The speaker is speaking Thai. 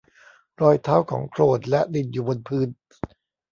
รอยเท้าของโคลนและดินอยู่บนพื้น